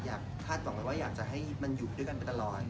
อยากคาดบอกเลยว่าอยากจะให้มันอยู่ด้วยกันไปตลอด